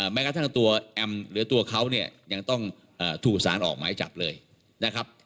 แม้กระทั่งตัวแอมหรือตัวเขาเนี่ยยังต้องถูกสารออกหมายจับเลยนะครับ